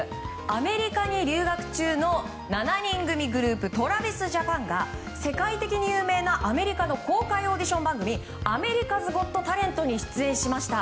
アメリカに留学中の７人組グループＴｒａｖｉｓＪａｐａｎが世界的に有名なアメリカの公開オーディション番組「アメリカズ・ゴット・タレント」に出演しました。